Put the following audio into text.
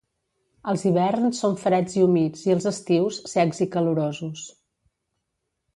Els hiverns són freds i humits i els estius, secs i calorosos.